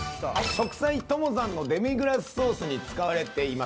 食菜朋さんのデミグラスソースに使われています